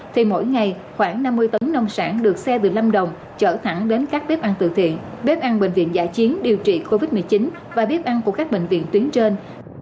thì mỗi ngày khoảng năm mươi tấn nông sản được xe từ lâm đồng trở thẳng đến các bếp ăn từ thiện bếp ăn bệnh viện giả chiến điều trị covid một mươi chín và bếp ăn của các bệnh viện tuyến trên